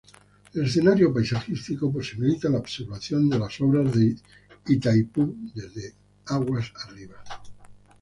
El escenario paisajístico posibilita la observación de las obras de Itaipú desde aguas arriba.